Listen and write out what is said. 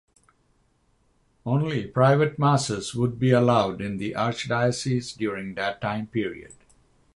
Only private masses would be allowed in the archdiocese during that time period.